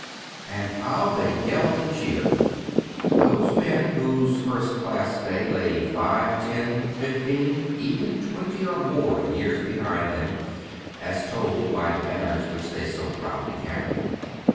And how they yelled and cheered those men whose first Class Day lay five, ten, fifteen, even twenty or more years behind them, as told by the banners which they so proudly carried.